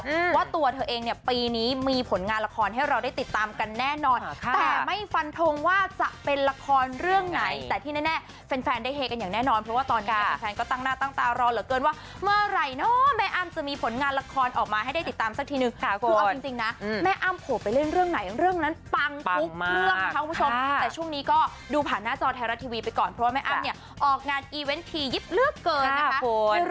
แล้วว่าตัวเธอเองเนี่ยปีนี้มีผลงานละครให้เราได้ติดตามกันแน่นอนแต่ไม่ฟันทงว่าจะเป็นละครเรื่องไหนแต่ที่แน่แน่แฟนแฟนได้เฮกกันอย่างแน่นอนเพราะว่าตอนนี้แม่แฟนแฟนก็ตั้งหน้าตั้งตารอเหลือเกินว่าเมื่อไหร่เนาะแม่อ้ำจะมีผลงานละครออกมาให้ได้ติดตามสักทีนึงคือเอาจริงนะแม่อ้ำโผ